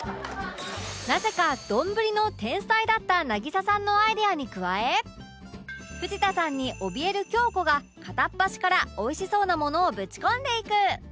なぜか丼の天才だった渚さんのアイデアに加え藤田さんにおびえる京子が片っ端からおいしそうなものをぶち込んでいく